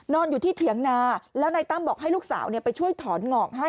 นอนอยู่ที่เถียงนาแล้วนายตั้มบอกให้ลูกสาวไปช่วยถอนหงอกให้